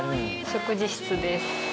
食事室です。